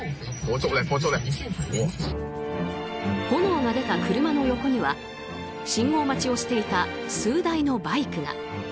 炎が出た車の横には信号待ちをしていた数台のバイクが。